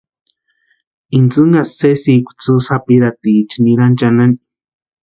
Intsïnhasti sésïkwa tsʼï sapirhatiecha nirani chʼanani.